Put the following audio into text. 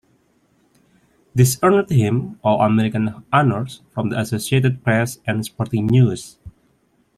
This earned him All-American honors from the Associated Press and Sporting News.